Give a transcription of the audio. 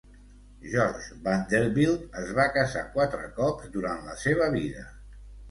George Vanderbilt es va casar quatre cops durant la seva vida.